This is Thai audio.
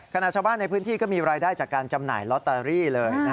ขณะชาวบ้านในพื้นที่ก็มีรายได้จากการจำหน่ายลอตเตอรี่เลย